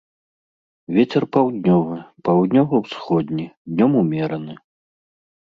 Вецер паўднёвы, паўднёва-ўсходні, днём умераны.